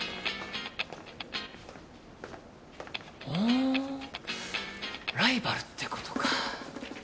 おぉライバルってことか。